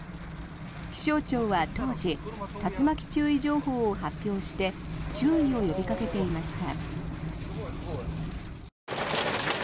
気象庁は当時竜巻注意情報を発表して注意を呼びかけていました。